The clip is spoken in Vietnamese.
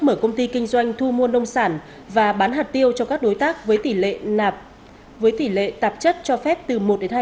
mở công ty kinh doanh thu mua nông sản và bán hạt tiêu cho các đối tác với tỷ lệ tạp chất cho phép từ một hai